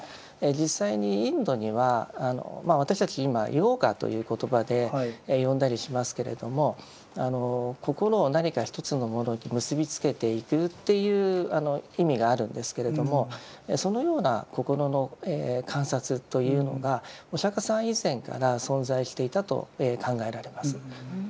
実際にインドにはまあ私たち今「ヨーガ」という言葉で呼んだりしますけれども心を何か一つのものに結びつけていくという意味があるんですけれどもそのような心の観察というのがお釈さん以前から存在していたと考えられます。